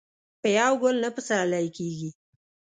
په يو ګل نه پسرلی کيږي.